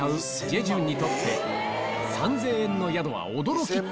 ジェジュンにとって３０００円の宿は驚き！